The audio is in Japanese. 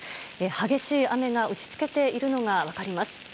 激しい雨が打ち付けているのが分かります。